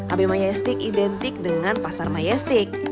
ab mayastik identik dengan pasar mayastik